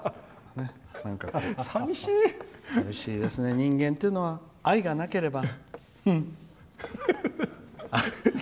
さみしいですね、人間ってのは愛がなければ。